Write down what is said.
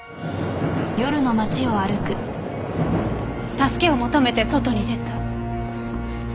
助けを求めて外に出た。